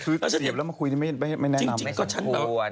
คือเสียบแล้วมาคุยไม่แนะนำใช่ไหม